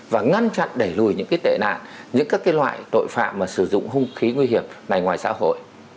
và ngăn chặn đẩy lùi những tệ nạn những các loại tội phạm mà sử dụng hung khí nguy hiểm này ngoài xã hội